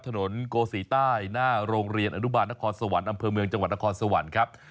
โกศีใต้หน้าโรงเรียนอนุบาลนครสวรรค์อำเภอเมืองจังหวัดนครสวรรค์ครับ